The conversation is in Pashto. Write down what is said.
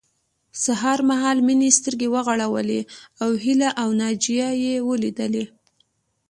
سهار مهال مينې سترګې وغړولې او هيله او ناجيه يې وليدلې